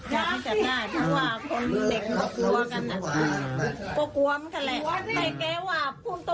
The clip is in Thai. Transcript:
อยากให้การให้คนเด็กโกวมกัน